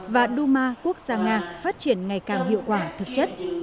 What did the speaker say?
và duma quốc gia nga phát triển ngày càng hiệu quả thực chất